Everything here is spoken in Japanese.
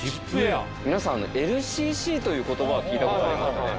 皆さん。という言葉は聞いたことありますかね？